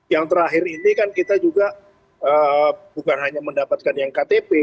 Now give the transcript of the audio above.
yang terakhir ini kan kita juga bukan hanya mendapatkan yang ktp